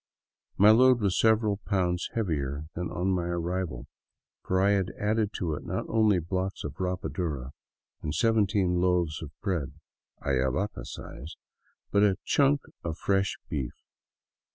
My load was several pounds heavier than on my arrival ; for I had added to it not only a block of rapadura and seven teen loaves of bread — Ayavaca size — but a huge chunk of fresh beef.